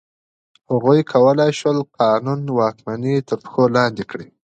هغوی کولای شول قانون واکمني تر پښو لاندې کړي.